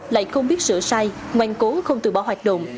lại không biết sửa sai ngoan cố không từ bỏ hoạt động